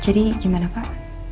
jadi gimana pak